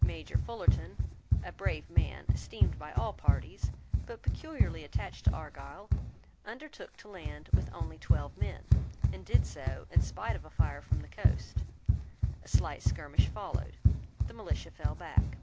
Major Fullarton, a brave man, esteemed by all parties, but peculiarly attached to Argyle, undertook to land with only twelve men, and did so in spite of a fire from the coast. A slight skirmish followed. The militia fell back.